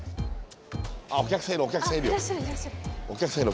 あっお客さんいるお客さんいるよ。